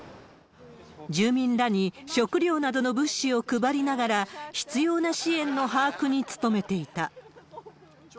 住民らに食料などの物資を配りながら、必要な支援の把握に努めていた。